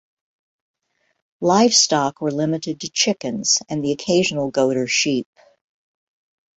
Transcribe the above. Livestock were limited to chickens and the occasional goat or sheep.